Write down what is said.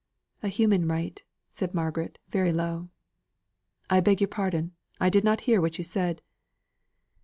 "A human right," said Margaret, very low. "I beg your pardon, I did not hear what you said."